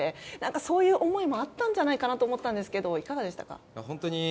そういう思いもあったんじゃないかと思ったんですがいかがでしたか？